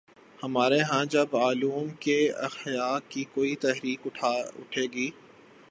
ہمارے ہاں جب علوم کے احیا کی کوئی تحریک اٹھے گی۔